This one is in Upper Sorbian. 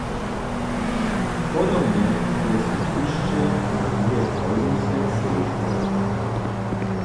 Podobnje je so busće Marje Grólmusec zešło.